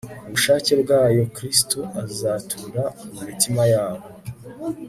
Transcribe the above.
ubushake bwayo Kristo azatura mu mitima yabo